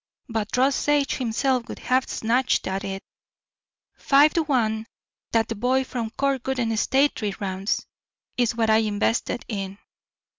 But Rus Sage himself would have snatched at it. Five to one dat de boy from Cork wouldn't stay t'ree rounds is what I invested in.